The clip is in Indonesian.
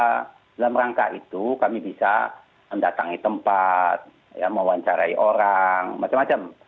nah kewenangan pemantauan itu kami bisa mendatangi tempat mewawancarai orang macam macam